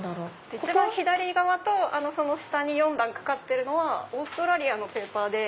一番左側とその下に４段掛かってるのはオーストラリアのペーパーで。